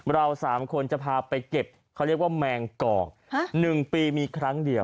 เรา๓คนจะพาไปเก็บเขาเรียกว่าแมงกอก๑ปีมีครั้งเดียว